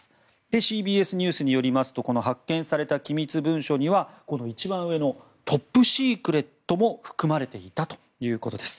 ＣＢＳニュースによりますと発見された機密文書には一番上のトップシークレットも含まれていたということです。